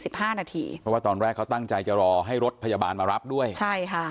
ห้านาทีเพราะว่าตอนแรกเขาตั้งใจจะรอให้รถพยาบาลมารับด้วยใช่ค่ะ